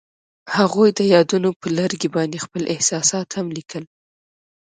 هغوی د یادونه پر لرګي باندې خپل احساسات هم لیکل.